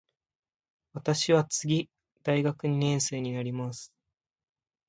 私は次大学二年生になります。